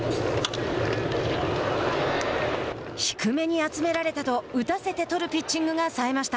低めに集められたと打たせてとるピッチングがさえました。